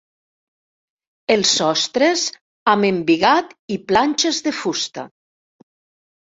Els sostres amb embigat i planxes de fusta.